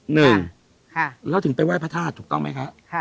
หนึ่งแล้วถึงไปไหว้พระธาตุถูกต้องไหมคะ